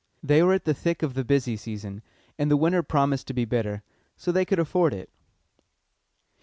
They were at the thick of the busy season, and the winter promised to be bitter, so they could afford it.